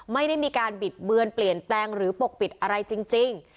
ไม่ได้มีการบิดเบือนเปลี่ยนแปลงหรือปกปิดอะไรจริง